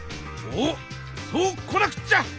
おっそう来なくっちゃ！